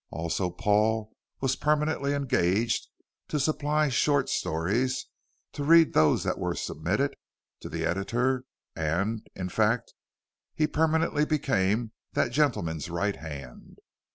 Also Paul was permanently engaged to supply short stories, to read those that were submitted to the editor, and, in fact, he permanently became that gentleman's right hand.